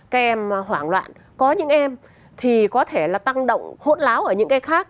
các em hoảng loạn có những em thì có thể là tăng động hỗn láo ở những cái khác